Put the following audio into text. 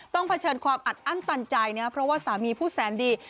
เผชิญความอัดอั้นตันใจนะครับเพราะว่าสามีผู้แสนดี